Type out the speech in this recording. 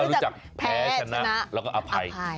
รู้จักแพ้ชนะแล้วก็อภัย